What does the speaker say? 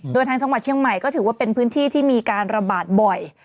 โดยทางจังหวัดเชียงใหม่ก็ถือว่าเป็นพื้นที่ที่มีการระบาดบ่อย